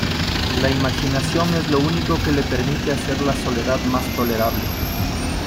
La imaginación es lo único que le permite hacer la soledad más tolerable.